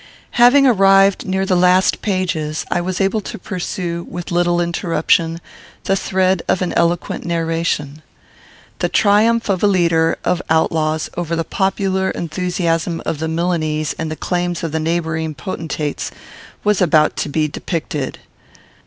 Having arrived near the last pages, I was able to pursue, with little interruption, the thread of an eloquent narration. The triumph of a leader of outlaws over the popular enthusiasm of the Milanese and the claims of neighbouring potentates was about to be depicted.